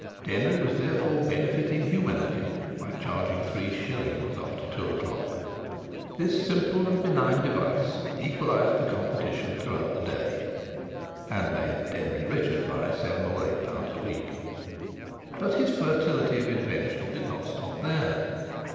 Denry was therefore benefiting humanity by charging three shillings after two o'clock. This simple and benign device equalised the competition throughout the day, and made Denry richer by seven or eight pounds a week. But his fertility of invention did not stop there.